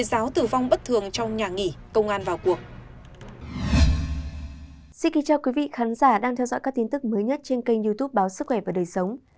xin kính chào quý vị khán giả đang theo dõi các tin tức mới nhất trên kênh youtube báo sức khỏe và đời sống